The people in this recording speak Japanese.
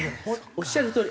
おっしゃるとおり。